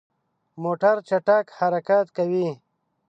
موټر چټک حرکت کوي.